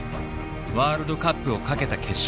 ワールドカップをかけた決勝。